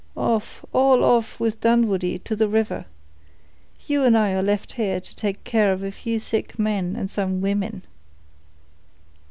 "Off—all off, with Dunwoodie, to the river. You and I are left here to take care of a few sick men and some women."